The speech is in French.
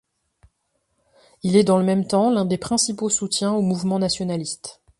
Il est dans le même temps l’un des principaux soutiens au mouvement nationaliste.